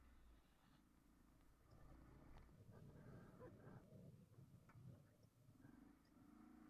Nicolás Oliver estudió jurisprudencia.